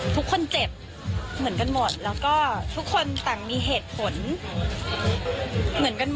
ทุกคนเจ็บเหมือนกันหมดแล้วก็ทุกคนต่างมีเหตุผลเหมือนกันหมด